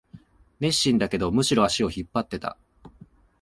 熱心だけど、むしろ足を引っ張ってた